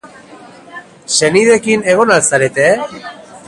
Senideekin egon al zarete?